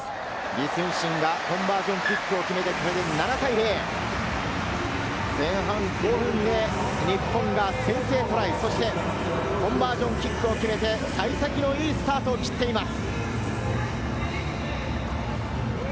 李承信がコンバージョンキックを決めて７対０、前半５分で日本が先制トライ、そしてコンバージョンキックを決めて、幸先のいいスタートを切っています。